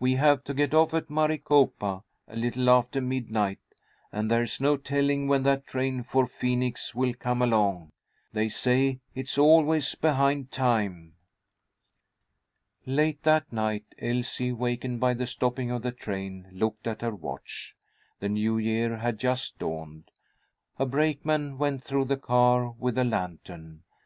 We have to get off at Maricopa a little after midnight, and there's no telling when that train for Phoenix will come along. They say it's always behind time." Late that night, Elsie, wakened by the stopping of the train, looked at her watch. The new year had just dawned. A brakeman went through the car with a lantern.